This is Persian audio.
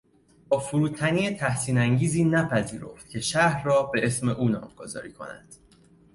با فروتنی تحسین انگیزی نپذیرفت که شهر را به اسم او نامگذاری کنند